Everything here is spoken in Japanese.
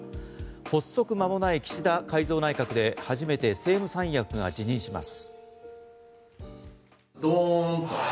発足間もない岸田改造内閣で初めて政務三役が辞任します。